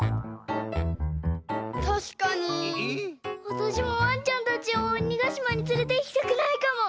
わたしもワンちゃんたちをおにがしまにつれていきたくないかも。